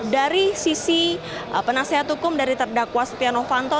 dari sisi penasihat hukum dari terdakwa setia novanto